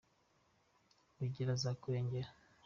Rugira azakurengera